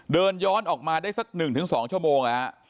เดินย้อนออกมาได้สักหนึ่งถึงสองชั่วโมง